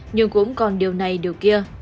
nhưng cũng còn điều này điều kia